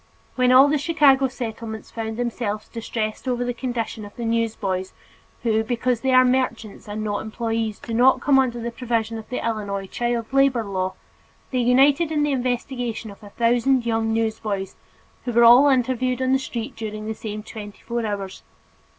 When all the Chicago Settlements found themselves distressed over the condition of the newsboys who, because they are merchants and not employees, do not come under the provisions of the Illinois child labor law, they united in the investigation of a thousand young newsboys, who were all interviewed on the streets during the same twenty four hours.